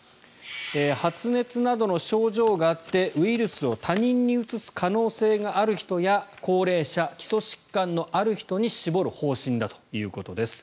発熱などの症状があってウイルスを他人にうつす可能性がある人や高齢者、基礎疾患のある人に絞る方針だということです。